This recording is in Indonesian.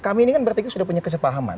kami ini kan berarti sudah punya kesepahaman